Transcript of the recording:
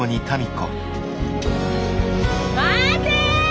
待て！